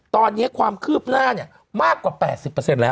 ตอนนี้ความคืบหน้าเนี่ยมากกว่า๘๐เปอร์เซ็นต์แล้ว